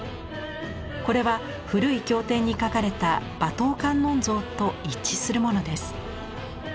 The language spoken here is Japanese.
これは古い経典に書かれた馬頭観音像と一致するものです。